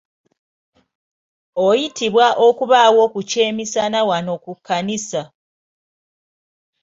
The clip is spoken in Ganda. Oyitibwa okubawo ku kyemisana wano ku kkanisa..